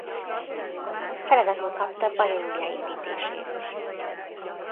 Feladatul kapta Bajor újjáépítését.